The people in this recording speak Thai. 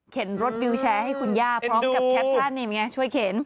เข็นรถวิวแชร์ให้คุณย่าพร้อมกับแคปชันช่วยเข็น